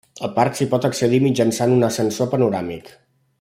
Al parc s'hi pot accedir mitjançant un ascensor panoràmic.